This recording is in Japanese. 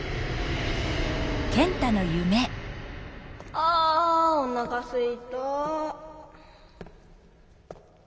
あおなかすいた。